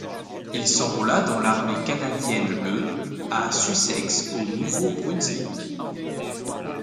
Il s'enrôla dans l'Armée canadienne le à Sussex au Nouveau-Brunswick.